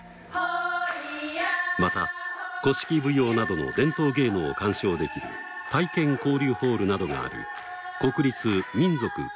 また古式舞踊などの伝統芸能を観賞できる体験交流ホールなどがある。